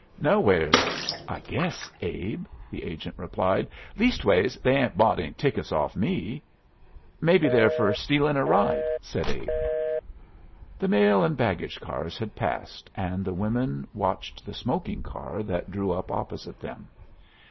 "Nowheres, I guess, Abe," the agent replied. "Leastways, they 'ain't bought any tickets off me." "Maybe they're for stealin' a ride," said Abe. The mail and baggage cars had passed, and the women watched the smoking car that drew up opposite them.